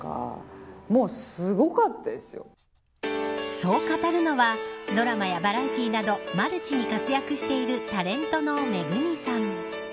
そう語るのはドラマやバラエティーなどマルチに活躍しているタレントのＭＥＧＵＭＩさん。